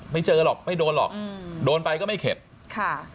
ไม่เจอหรอกไม่โดนหรอกอืมโดนไปก็ไม่เข็ดค่ะ